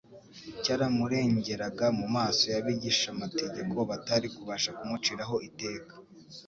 cyaramurengeraga mu maso y'abigishamategeko batari kubasha kumuciraho iteka